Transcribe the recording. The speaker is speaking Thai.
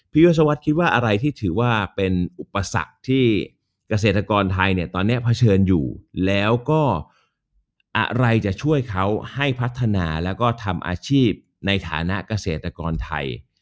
ยศวรรษคิดว่าอะไรที่ถือว่าเป็นอุปสรรคที่เกษตรกรไทยเนี่ยตอนนี้เผชิญอยู่แล้วก็อะไรจะช่วยเขาให้พัฒนาแล้วก็ทำอาชีพในฐานะเกษตรกรไทย